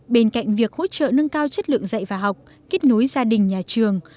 bên cạnh việc hỗ trợ nâng cao chất lượng dạy và học kết nối gia đình nhà trường